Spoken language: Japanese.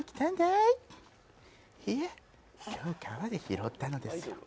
いいえ、今日、川で拾ったのですよ。